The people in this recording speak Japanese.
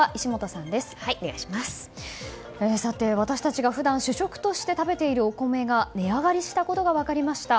さて、私たちが普段主食として食べているお米が値上がりしたことが分かりました。